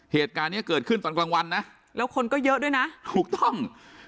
เหตุการณ์เนี้ยเกิดขึ้นตอนกลางวันนะแล้วคนก็เยอะด้วยนะถูกต้อง